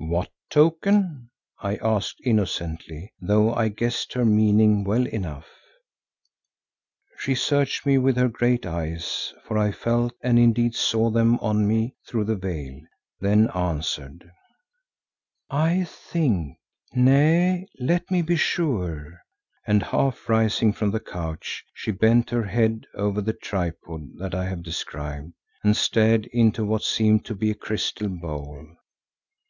"What token?" I asked innocently, though I guessed her meaning well enough. She searched me with her great eyes, for I felt, and indeed saw them on me through the veil, then answered, "I think—nay, let me be sure," and half rising from the couch, she bent her head over the tripod that I have described, and stared into what seemed to be a crystal bowl.